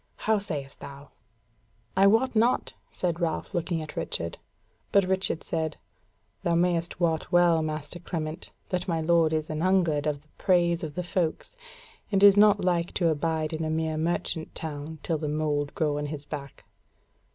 How sayest thou?" "I wot not," quoth Ralph looking at Richard. Said Richard: "Thou mayst wot well, master Clement, that my lord is anhungered of the praise of the folks, and is not like to abide in a mere merchant town till the mould grow on his back."